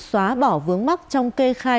xóa bỏ vướng mắc trong kê khai